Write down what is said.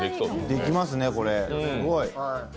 できますね、すごい。